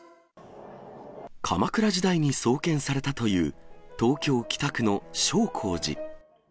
鎌倉時代に創建されたという東京・北区の正光寺。